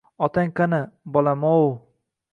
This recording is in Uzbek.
— Otang qani, bolam-ov?